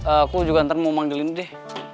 aku juga ntar mau manggilin deh